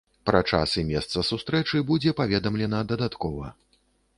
Пра час і месца сустрэчы будзе паведамлена дадаткова.